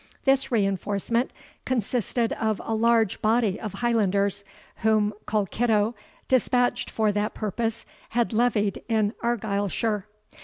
This reinforcement consisted of a large body of Highlanders, whom Colkitto, dispatched for that purpose, had levied in Argyleshire.